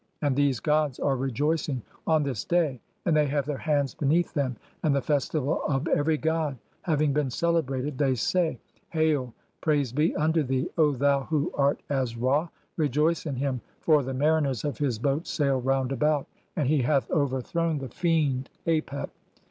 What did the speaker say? And these gods are rejoicing "on this day, and they have their hands beneath (?) them, and "the festival of everv god (9) having been celebrated, they say: — "Hail, praise be unto thee, O thou who art as Ra, rejoice in "him, for the mariners of [his] boat sail round about, and [he] "hath overthrown the fiend Apep.